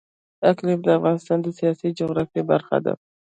اقلیم د افغانستان د سیاسي جغرافیه برخه ده.